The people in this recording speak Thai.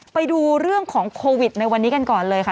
ไปดูเรื่องของโควิดในวันนี้กันก่อนเลยค่ะ